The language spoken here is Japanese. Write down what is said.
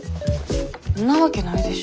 んなわけないでしょ。